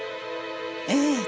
ええ。